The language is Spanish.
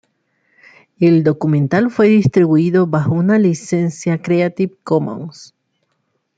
El documental fue distribuido bajo una licencia Creative Commons.